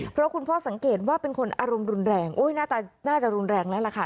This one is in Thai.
เพราะคุณพ่อสังเกตว่าเป็นคนอารมณ์รุนแรงโอ้ยน่าจะรุนแรงแล้วล่ะค่ะ